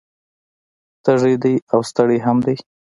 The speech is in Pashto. تږی دی او ستړی هم دی